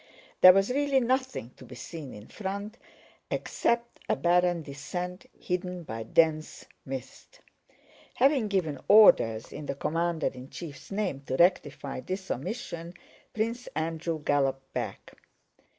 There was really nothing to be seen in front except a barren descent hidden by dense mist. Having given orders in the commander in chief's name to rectify this omission, Prince Andrew galloped back.